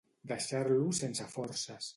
Deixar-lo sense forces.